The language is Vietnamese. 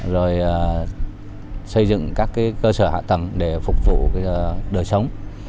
rồi xây dựng các cơ sở hạ tầng để phục vụ đời sống